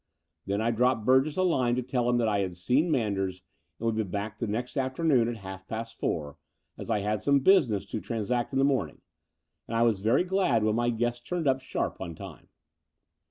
Then I dropped Burgess a line to tell him that I had seen Manders, and woud be back the next afternoon at half past four, as I had some business to transact in the morning: and I was very glad when my guest turned up sharp on time.